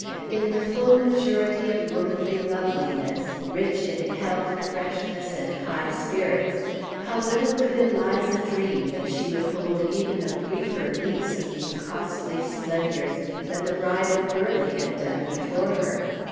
In the full maturity of womanly loveliness, rich in health, freshness, and high spirits, how little could Eliza dream that she would hold even a briefer lease of these costly splendors than the Bride of Burleigh had done before her.